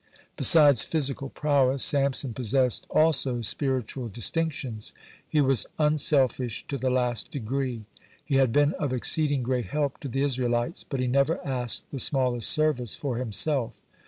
(119) Besides physical prowess, Samson possessed also spiritual distinctions. He was unselfish to the last degree. He had been of exceeding great help to the Israelites, but he never asked the smallest service for himself.